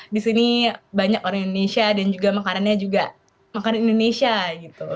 di sini banyak orang indonesia dan juga makanannya juga makanan indonesia gitu